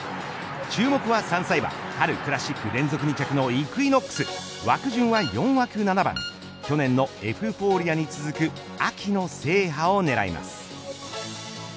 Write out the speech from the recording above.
注目は３歳馬春クラシック連続２着のイクイノックス枠順は４枠７番去年のエフフォーリアに続く秋の制覇を狙います。